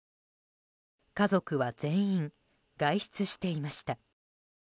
家族は全員外出していました。